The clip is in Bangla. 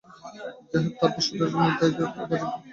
যাই হোক, তারপর সুদেব নিতাইয়ের নামে বাজিতপুরে মামলা রুজু করিয়াছে।